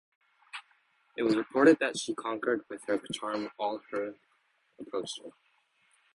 It was reported that she conquered with her charm all who approached her.